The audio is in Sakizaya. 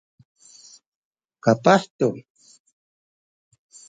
kapah tu